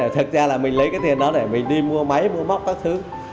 thực ra là mình lấy cái tiền đó để mình đi mua máy mua móc các thứ